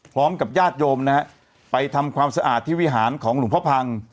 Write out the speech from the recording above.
พร้อมกับญาติโยมนะฮะไปทำความสะอาดที่วิหารของหลวงพ่อพัง